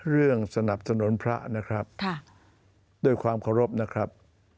สนับสนุนพระนะครับด้วยความเคารพนะครับ